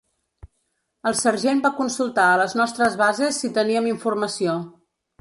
El sergent va consultar a les nostres bases si teníem informació.